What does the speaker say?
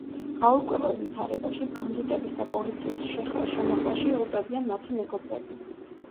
გაურკვეველ ვითარებაში, ბანდიტების და პოლიციის შახლა–შემოხლაში იღუპებიან მათი მეგობრები.